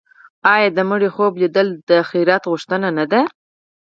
آیا د مړي خوب لیدل د خیرات غوښتنه نه ده؟